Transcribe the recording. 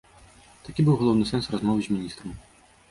Такі быў галоўны сэнс размовы з міністрам.